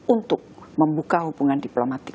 untuk membuka hubungan diplomatik